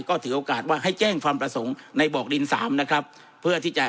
ก็ถือโอกาสว่าให้แจ้งความประสงค์ในบอกดินสามนะครับเพื่อที่จะ